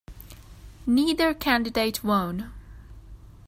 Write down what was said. Neither candidate won.